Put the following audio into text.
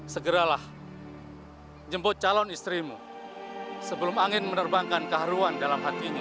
segeralah jemput calon istrimu sebelum angin menerbangkan keharuan dalam hatinya